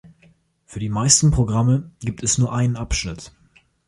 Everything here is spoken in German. Für die meisten Programme gibt es nur einen Abschnitt.